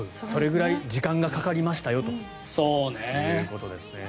それくらい時間がかかりましたよということです。